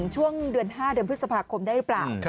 ช่วงเดือน๕เดือนพฤษภาคมได้หรือเปล่า